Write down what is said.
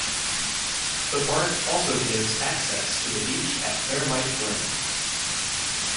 The park also gives access to the beach at Fairlight Glen.